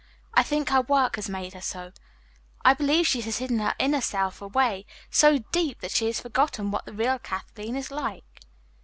I think her work has made her so. I believe she has hidden her inner self away so deep that she has forgotten what the real Kathleen is like."